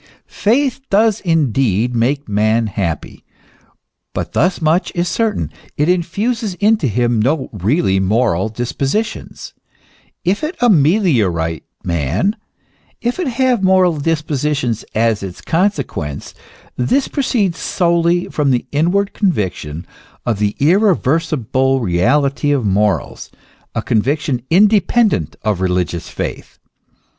Faith does indeed make man happy ; but thus much is cer tain : it infuses into him no really moral dispositions. If it ameliorate man, if it have moral dispositions as its consequence, this proceeds solely from the inward conviction of the irrever sible reality of morals : a conviction independent of religious faith.